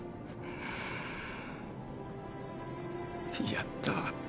やった。